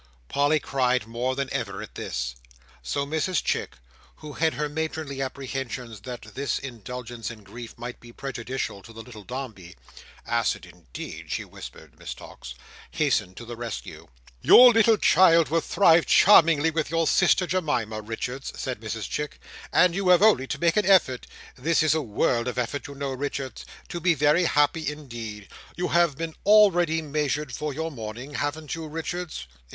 Polly cried more than ever at this. So Mrs Chick, who had her matronly apprehensions that this indulgence in grief might be prejudicial to the little Dombey ("acid, indeed," she whispered Miss Tox), hastened to the rescue. "Your little child will thrive charmingly with your sister Jemima, Richards," said Mrs Chick; "and you have only to make an effort—this is a world of effort, you know, Richards—to be very happy indeed. You have been already measured for your mourning, haven't you, Richards?"